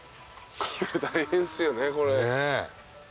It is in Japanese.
大変っすよねこれ。